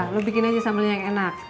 udah lo bikin aja sambelnya yang enak